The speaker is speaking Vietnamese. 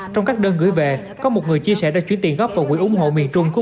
trong các đơn gửi về có một người chia sẻ đã chuyển tiền góp vào quỹ ủng hộ miền trung của